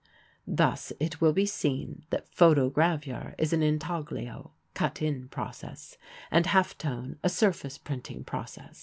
Thus it will be seen that photo gravure is an intaglio (cut in) process, and half tone a surface printing process.